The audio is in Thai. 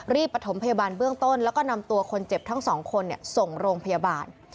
ประถมพยาบาลเบื้องต้นแล้วก็นำตัวคนเจ็บทั้งสองคนส่งโรงพยาบาล